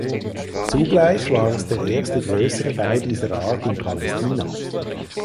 Zugleich war es der erste größere Bau dieser Art in Palästina.